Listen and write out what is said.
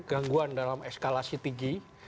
gangguan dalam eskalasi tinggi